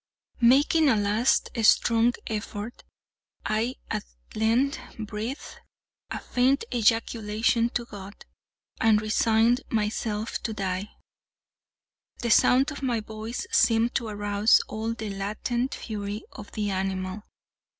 Making a last strong effort, I at length breathed a faint ejaculation to God, and resigned myself to die. The sound of my voice seemed to arouse all the latent fury of the animal.